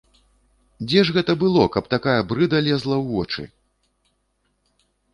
Дзе ж гэта было, каб такая брыда лезла ў вочы?!